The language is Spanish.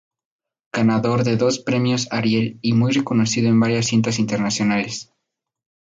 Ganador de dos premios Ariel y muy reconocido en varias cintas internacionales.